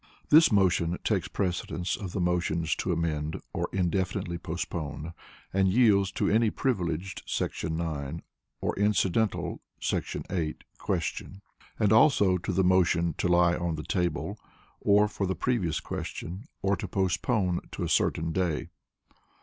This motion takes precedence of the motions to Amend or Indefinitely Postpone, and yields to any Privileged [§ 9] or Incidental [§ 8] Question, and also to the motion to Lie on the Table, or for the Previous Question, or to Postpone to a certain day.